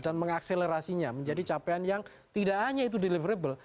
dan mengakselerasinya menjadi capaian yang tidak hanya itu deliverable